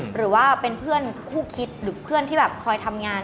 หรือว่าเป็นเพื่อนคู่คิดหรือเพื่อนที่แบบคอยทำงาน